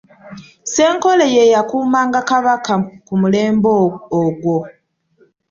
Ssenkoole ye yakuumanga Kabaka ku mulembe ogwo.